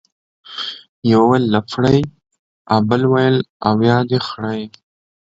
يوه ويل لپړى ، ها بل ويل ، اويا دي خړيه.